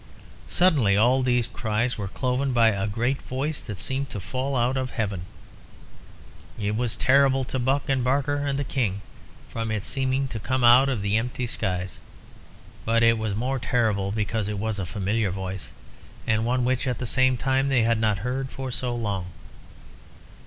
Suddenly all these cries were cloven by a great voice, that seemed to fall out of heaven. It was terrible to Buck and Barker and the King, from its seeming to come out the empty skies; but it was more terrible because it was a familiar voice, and one which at the same time they had not heard for so long.